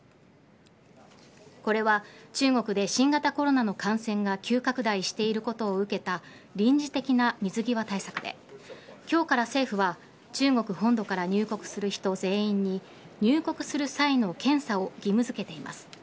これは中国で新型コロナの感染が急拡大していることを受けた臨時的な水際対策で今日から政府は中国本土から入国する人全員に入国する際の検査を義務付けています。